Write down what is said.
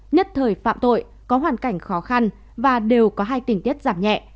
nhất thời phạm tội có hoàn cảnh khó khăn và đều có hai tình tiết giảm nhẹ